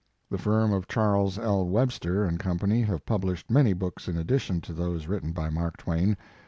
The firm of Charles I,. Webster and Company have published many books in addition to those written by Mark Twain.